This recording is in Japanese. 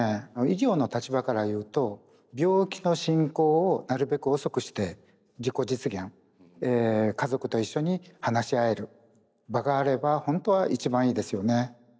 医療の立場から言うと病気の進行をなるべく遅くして自己実現家族と一緒に話し合える場があれば本当は一番いいですよね。